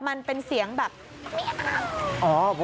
มันเป็นเสียงแบบ